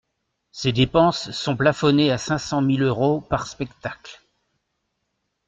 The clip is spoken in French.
Ces dépenses sont plafonnées à cinq cent mille euros par spectacle.